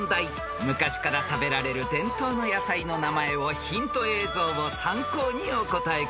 ［昔から食べられる伝統の野菜の名前をヒント映像を参考にお答えください］